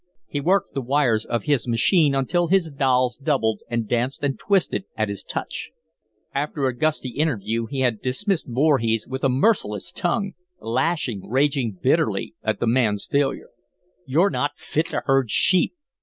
He worked the wires of his machine until his dolls doubled and danced and twisted at his touch. After a gusty interview he had dismissed Voorhees with a merciless tongue lashing, raging bitterly at the man's failure. "You're not fit to herd sheep.